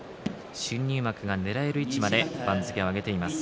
新入幕がねらえる位置まで番付を上げています。